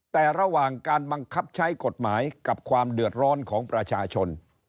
แต่ระหว่างการบังคับใช้กฎหมายกับความเดือดร้อนของประชาชน